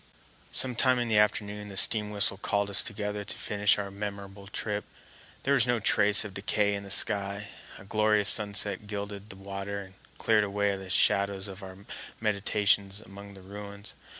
Some time in the afternoon the steam whistle called us together to finish our memorable trip. There was no trace of decay in the sky; a glorious sunset gilded the water and cleared away the shadows of our meditations among the ruins.